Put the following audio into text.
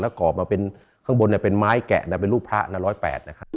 แล้วก่อมาเป็นข้างบนเนี่ยเป็นไม้แกะเป็นรูปพระนับ๑๐๘นะครับ